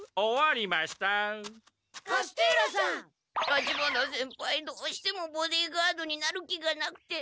立花先輩どうしてもボディーガードになる気がなくて。